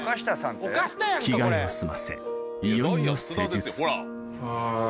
着替えを済ませいよいよ施術